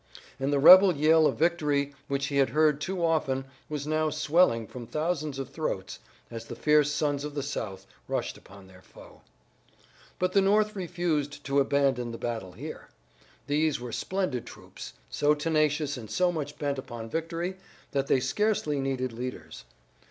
And the rebel yell of victory which he had heard too often was now swelling from thousands of throats, as the fierce sons of the South rushed upon their foe. But the North refused to abandon the battle here. These were splendid troops, so tenacious and so much bent upon victory that they scarcely needed leaders.